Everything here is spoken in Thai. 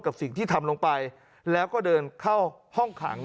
กับสิ่งที่ทำลงไปแล้วก็เดินเข้าห้องขัง